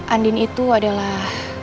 andin itu adalah